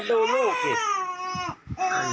ลองดูคลิปหน่อย